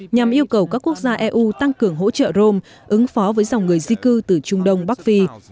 nhằm yêu cầu các quốc gia eu tăng cường hỗ trợ rome ứng phó với dòng người di cư từ trung đông bắc phi